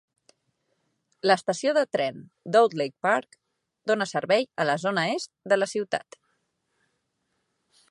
L'estació de tren d'Oakleigh Park dona servei a la zona est de la ciutat.